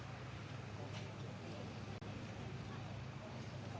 เมื่อเวลาเมื่อเวลาเมื่อเวลา